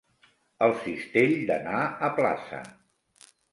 El cistell d'anar a plaça.